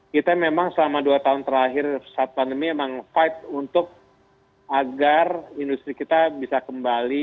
kita memang selama dua tahun terakhir saat pandemi memang fight untuk agar industri kita bisa kembali